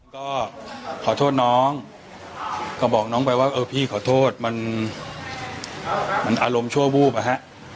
ก็ขอโทษน้องก็บอกน้องไปว่าเออพี่ขอโทษมันอารมณ์ชั่ววูบอะฮะ